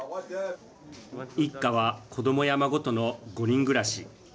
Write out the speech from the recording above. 一家は子どもや孫との５人暮らし。